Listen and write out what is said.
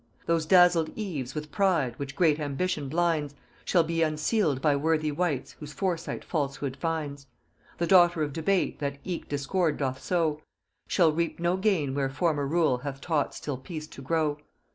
Those dazzled eves with pride, which great ambition blinds, Shall be unseal'd by worthy wights whose foresight falsehood finds. The Daughter of Debate that eke discord doth sow, Shall reap no gain where former rule hath taught still peace to grow.